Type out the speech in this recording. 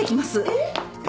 えっ。